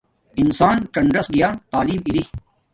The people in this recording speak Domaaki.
انسان څنڎس گیا تعلیم اری